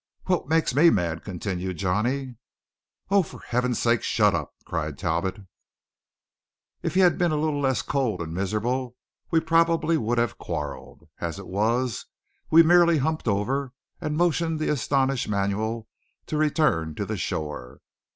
"What makes me mad " continued Johnny. "Oh, for heaven's sake shut up!" cried Talbot. If he had been a little less cold and miserable we probably would have quarrelled. As it was, we merely humped over, and motioned the astonished Manuel to return to the shore.